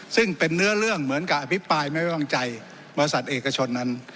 ซึ่งเป็นเนื้อเรื่องเหมือนกับอภิปรายไม่ไว้วางใจบริษัทเอกชนนั้น